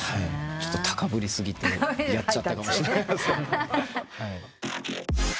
ちょっと高ぶり過ぎてやっちゃったかもしれない。